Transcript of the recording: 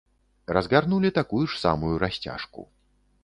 Разгарнулі такую ж самую расцяжку.